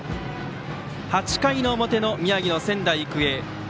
８回表、宮城の仙台育英。